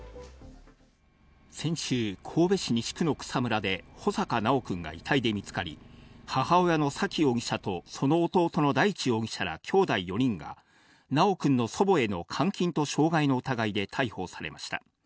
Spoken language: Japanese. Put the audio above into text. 先週、神戸市西区の草むらで穂坂修くんが遺体で見つかり、母親の沙喜容疑者とその弟の大地容疑者ら、きょうだい４人が修くんの祖母への監禁と傷害の疑いで逮捕されました。